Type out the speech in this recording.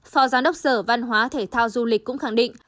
phó giám đốc sở văn hóa thể thao du lịch cũng khẳng định